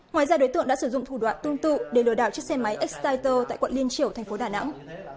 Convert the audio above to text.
ngoài ra đối tượng đã sử dụng thủ đoạn tương tự để lừa đảo chiếc xe máy exciter tại quận liên triều thành phố đà nẵng